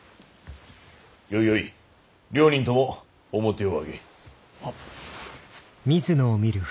よいよい両人とも面を上げ。